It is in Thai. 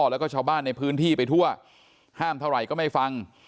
แล้วก็ชาวบ้านในพื้นที่ไปทั่วห้ามเท่าไหร่ก็ไม่ฟัง